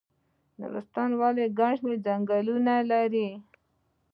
نورستان ولې ګڼ ځنګلونه لري؟